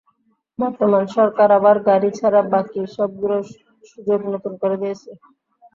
বর্তমান সরকার আবার গাড়ি ছাড়া বাকি সবগুলো সুযোগ নতুন করে দিয়েছে।